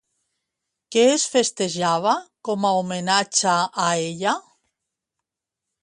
Què es festejava com homenatge a ella?